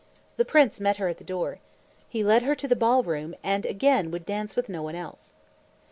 The prince met her at the door. He led her to the ball room and again would dance with no one else.